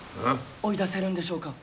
追い出せるんでしょうか？